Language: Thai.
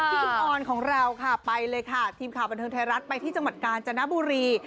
อินออนของเราค่ะไปเลยค่ะทีมข่าวบันเทิงไทยรัฐไปที่จังหวัดกาญจนบุรี